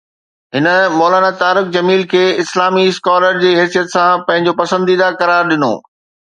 هن مولانا طارق جميل کي اسلامي اسڪالر جي حيثيت سان پنهنجو پسنديده قرار ڏنو